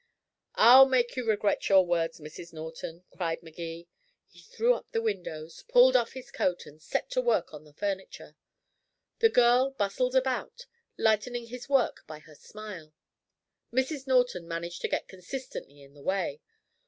"I'll make you regret your words, Mrs. Norton," cried Magee. He threw up the windows, pulled off his coat, and set to work on the furniture. The girl bustled about, lightening his work by her smile. Mrs. Norton managed to get consistently in the way.